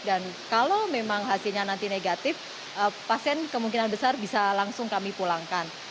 dan kalau memang hasilnya nanti negatif pasien kemungkinan besar bisa langsung kami pulangkan